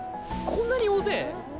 こんなに大勢！？